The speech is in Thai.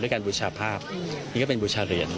การบูชาภาพนี่ก็เป็นบูชาเหรียญ